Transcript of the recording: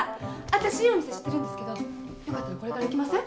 私いいお店知ってるんですけどよかったらこれから行きません？